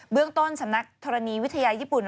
เรื่องต้นสำนักธรณีวิทยาญี่ปุ่น